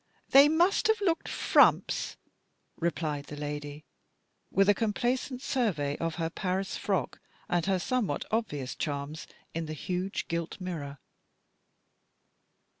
They must have looked frumps," replied the lady, with a complacent survey of her Paris frock and her somewhat obvious charms in the huge gilt mirror.